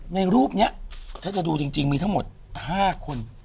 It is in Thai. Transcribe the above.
ในรูปนี้ถ้าจะดูจริงมีทั้งหมด๕คน